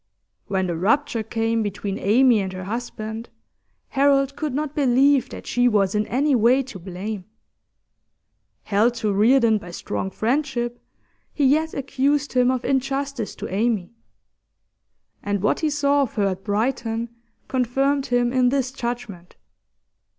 When the rupture came between Amy and her husband, Harold could not believe that she was in any way to blame; held to Reardon by strong friendship, he yet accused him of injustice to Amy. And what he saw of her at Brighton confirmed him in this judgment.